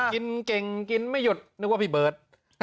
กินเก่งกินไม่หยุดนึกว่าพี่เบิร์ต